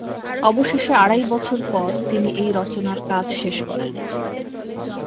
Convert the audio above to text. অবশেষে আড়াই বছর পর তিনি এই রচনার কাজ শেষ করেন।